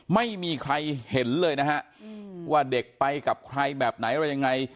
ไม่มีใครเห็นเลยนะฮะว่าเด็กไปกับใครแบบไหนอะไรยังไง